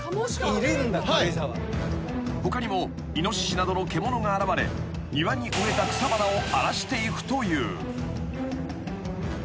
［他にもイノシシなどの獣が現れ庭に植えた草花を荒らしていくという］